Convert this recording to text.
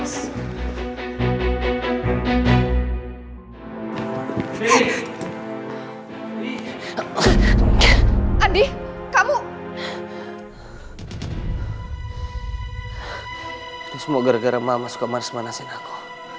semoga gara gara mama suka manis manasin aku